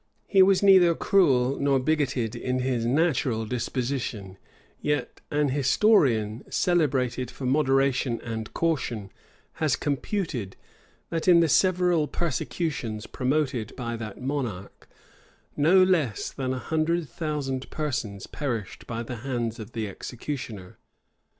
He was neither cruel nor bigoted in his natural disposition; yet an historian, celebrated for moderation and caution, has computed, that in the several persecutions promoted by that monarch, no less than a hundred thousand persons perished by the hands of the executioner.